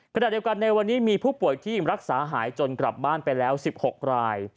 ขณะเดียวกันในวันนี้มีผู้ป่วยที่รักษาหายจนกลับบ้านไปแล้ว๑๖ราย